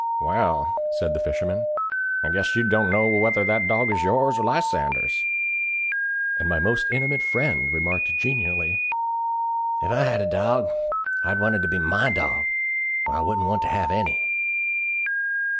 'Well,' said the fisherman, 'I guess you don't know whether that dog is yours or Lysander's!' And my most intimate friend remarked genially, 'If I had a dog, I'd want it to be my dog, or I wouldn't want to have any.'